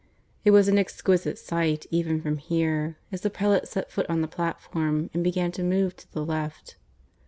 It was an exquisite sight, even from here, as the prelate set foot on the platform and began to move to the left.